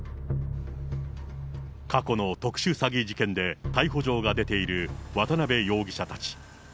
過去の特殊詐欺事件で逮捕状が出ている渡辺容疑者たち。